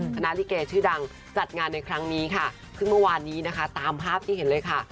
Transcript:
ลิเกชื่อดังจัดงานในครั้งนี้ค่ะซึ่งเมื่อวานนี้นะคะตามภาพที่เห็นเลยค่ะ